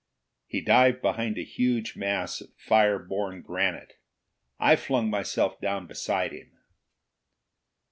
He dived behind a huge mass of fire born granite. I flung myself down beside him.